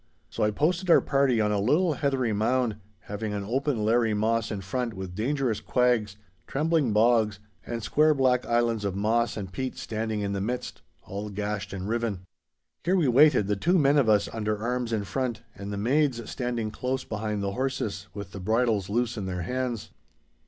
So I posted our party on a little heathery mound, having an open lairy moss in front with dangerous quags, trembling bogs, and square black islands of moss and peat standing in the midst, all gashed and riven. Here we waited, the two men of us under arms in front, and the maids standing close behind the horses, with the bridles loose in their hands.